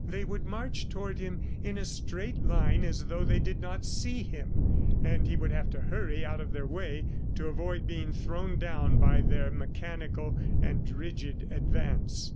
They would march toward him in a straight line, as though they did not see him, and he would have to hurry out of their way to avoid being thrown down by their mechanical and rigid advance.